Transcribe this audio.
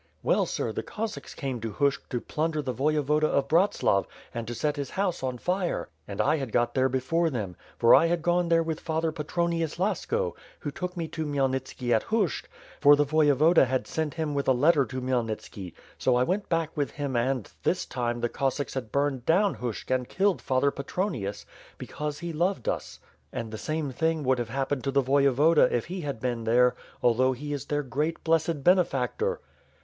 *TV^ell, sir, the Cossacks came to Hushch to plunder the Voyevoda of Bratslav and to set his house on fire; and I had got there before them, for I had gone there with Father WITH FIRE AND SWORD. .^j Patronius Lasko, who took me to Khmyelnitski at Hushch, for the Voyevoda had sent him with a letter to Khmyelnitski, 80 I went back with him and, this time, the Cossacks had burned down Hushch and killed Father Patronius, because he loved us; and the same thing would have happened to the Voyevoda, if he had been there, although he is their great, blessed benefactor.